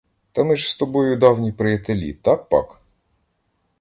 Та ми ж з тобою давні приятелі, так пак?